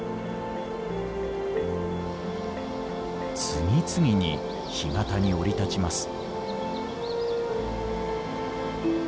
次々に干潟に降り立ちます。